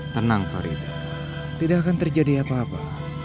tenang farida tidak akan terjadi apa apa